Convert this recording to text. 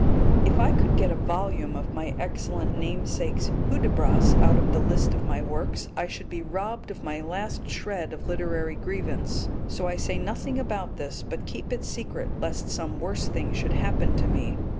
If I could get a volume of my excellent namesake's Hudibras out of the list of my works, I should be robbed of my last shred of literary grievance, so I say nothing about this, but keep it secret, lest some worse thing should happen to me.